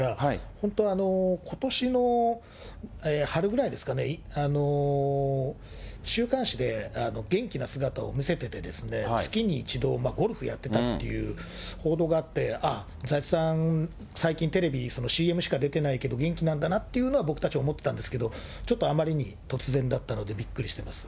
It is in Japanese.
本当はことしの春ぐらいですかね、週刊誌で、元気な姿を見せていて、月に一度、ゴルフやってたっていう報道があって、ああ、財津さん、最近テレビ、ＣＭしか出てないけど、元気なんだなっていうのは僕たち思ってたんですけど、ちょっとあまりに突然だったので、びっくりしてます。